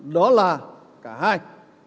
đó là cả hai